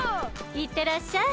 いってらっしゃい。